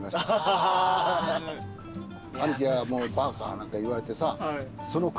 兄貴はもう「バカ」なんか言われてさ。